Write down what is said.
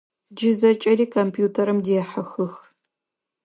Джы зэкӏэри компьютерым дехьыхых.